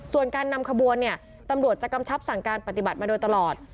ส่วนการนำขบวนเนี่ยตำรวจจะกำชับสั่งการปฏิบัติมาโดยตลอด